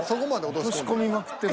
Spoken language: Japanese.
落とし込みまくってる。